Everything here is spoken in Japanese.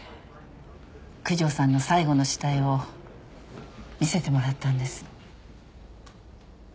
九条さんの最後の下絵を見せてもらったんです。